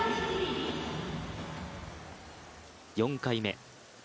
４回目。